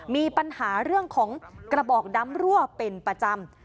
มีปัญหาเรื่องของกระบอกดำรั่วเป็นประจำ